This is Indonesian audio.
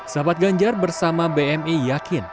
sahabat ganjar bersama bmi yakin